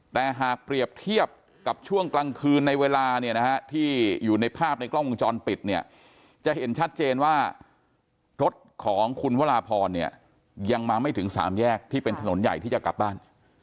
แต่หากเปรียบเทียบกับช่วงกลางคืนในเวลาเนี่ยนะฮะที่อยู่ในภาพในกล้องวงจรปิดเนี่ยจะเห็นชัดเจนว่ารถของคุณวราพรเนี่ยยังมาไม่ถึง๓แยกที่เป็นถนนใหญ่ที่จะกลับบ้าน